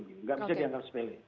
tidak bisa diangkat sepele